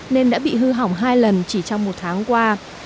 nên đã bị hư hỏng hai lần chỉ trong một tháng qua